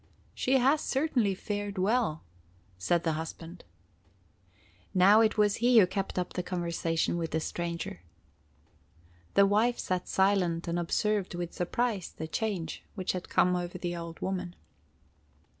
"She has certainly fared well," said the husband. Now it was he who kept up the conversation with the stranger. The wife sat silent and observed with surprise the change which had come over the old woman.